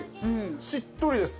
しっとりです